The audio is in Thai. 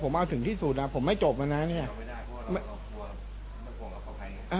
ผมเอาถึงที่สุดอ่ะผมไม่จบแล้วน่ะเนี้ยไม่ไม่กลัวเราเข้าไป